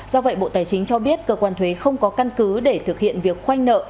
do vậy bộ tài chính cho biết cơ quan thuế không có căn cứ để thực hiện việc khoanh nợ